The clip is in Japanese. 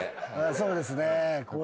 そうですね。